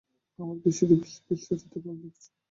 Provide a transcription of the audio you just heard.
আমার বৃষ্টিতে ভিজতে-ভিজতে যেতে ভালো লাগছে।